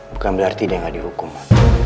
bukan berarti dia gak dihukum ma